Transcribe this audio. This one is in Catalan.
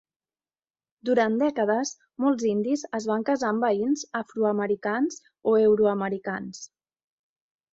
Durant dècades, molts indis es van casar amb veïns afroamericans o euroamericans.